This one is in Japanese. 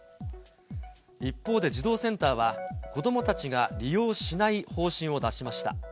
一方で、児童センターは、子どもたちが利用しない方針を出しました。